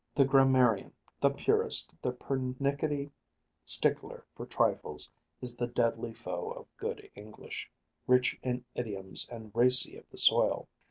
The grammarian, the purist, the pernicketty stickler for trifles, is the deadly foe of good English, rich in idioms and racy of the soil.